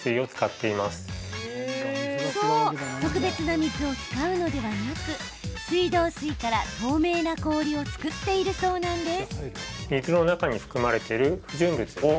そう、特別な水を使うのではなく水道水から透明な氷を作っているそうなんです。